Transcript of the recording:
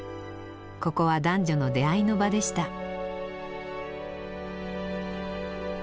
ここは男女の出会いの場でした。